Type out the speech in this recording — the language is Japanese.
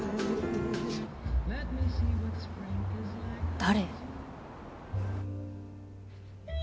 誰？